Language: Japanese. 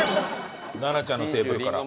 菜那ちゃんのテーブルから。